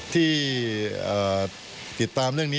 ที่ติดตามเรื่องนี้